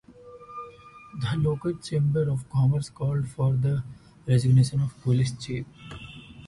The local Chamber of Commerce called for the resignation of the police chief.